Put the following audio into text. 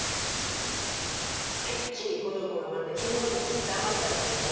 てっきりこの子がまたヒモ男にだまされてるもんだと。